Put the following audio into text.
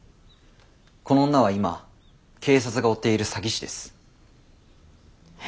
この女は今警察が追っている詐欺師です。え？